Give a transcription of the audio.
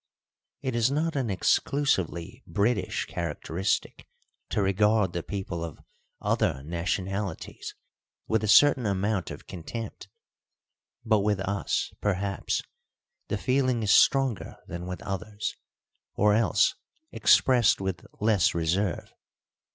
It is not an exclusively British characteristic to regard the people of other nationalities with a certain amount of contempt, but with us, perhaps, the feeling is stronger than with others, or else expressed with less reserve.